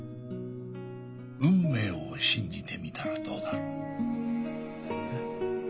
運命を信じてみたらどうだろう。え？